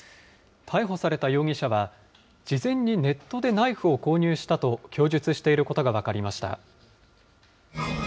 逮捕された容疑者は、事前にネットでナイフを購入したと供述していることが分かりました。